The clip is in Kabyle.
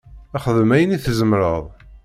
Xdem ayen i tzemreḍ.